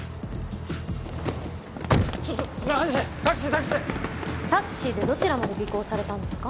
ちょちょ中西タクシータクシタクシーでどちらまで尾行されたんですか？